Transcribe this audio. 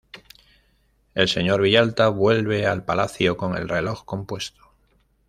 El señor Villalta vuelve al Palacio con el reloj compuesto.